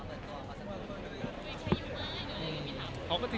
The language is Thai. ไม่ใช่ยุคมาย